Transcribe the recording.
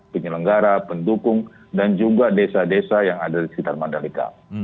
penyelenggara pendukung dan juga desa desa yang ada di sekitar mandalika